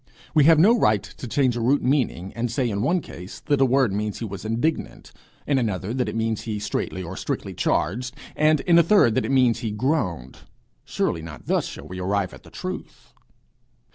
We have no right to change a root meaning, and say in one case that a word means he was indignant, in another that it means he straitly or strictly charged, and in a third that it means he groaned. Surely not thus shall we arrive at the truth!